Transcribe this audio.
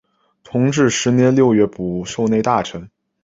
同治十年六月补授内大臣。